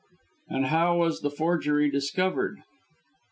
"And how was the forgery discovered?"